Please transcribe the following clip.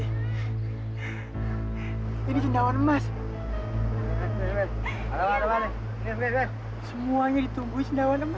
semuanya ditungguin cendawan emas